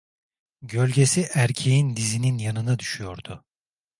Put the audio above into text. Gölgesi erkeğin dizinin yanına düşüyordu.